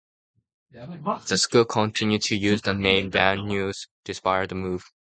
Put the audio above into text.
The school continued to use the name "Van Nuys" despite the move.